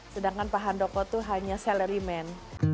sedangkan pak handoko hanya selerimen